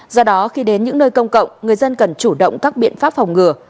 do đó khi đến những nơi công cộng người dân cần chủ động các biện pháp phòng ngừa